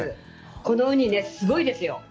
このウニね、すごいですよ。